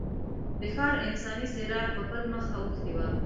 د ښار انساني څېره په بل مخ اوښتې وه.